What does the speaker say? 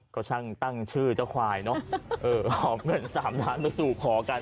ก็ช่างตั้งชื่อเจ้าควายเนอะเออหอมเงินสามน้ำไปสู่ขอกัน